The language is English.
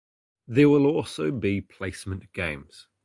There will also be placement games.